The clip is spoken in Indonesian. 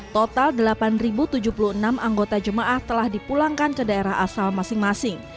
total delapan tujuh puluh enam anggota jemaah telah dipulangkan ke daerah asal masing masing